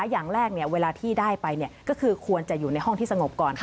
อย่างแรกเวลาที่ได้ไปก็คือควรจะอยู่ในห้องที่สงบก่อน